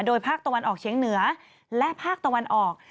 โดยภาคตะวันออกเฉียงเหนือและภาคตะวันออก